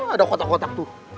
ada kotak kotak tuh